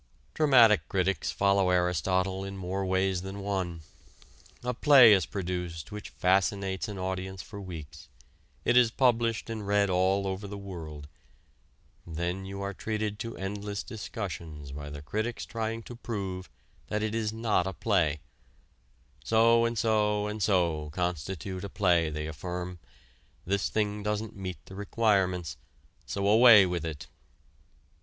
Dramatic critics follow Aristotle in more ways than one. A play is produced which fascinates an audience for weeks. It is published and read all over the world. Then you are treated to endless discussions by the critics trying to prove that "it is not a play." So and so and so constitute a play, they affirm, this thing doesn't meet the requirements, so away with it.